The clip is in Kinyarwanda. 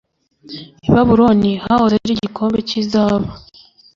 i babuloni hahoze ari igikombe cy izahabu